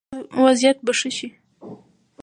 د هیواد وضعیت به ښه شوی وي.